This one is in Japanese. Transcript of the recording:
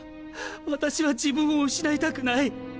私は自分を失いたくない。